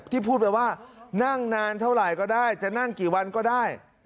พูดไปว่านั่งนานเท่าไหร่ก็ได้จะนั่งกี่วันก็ได้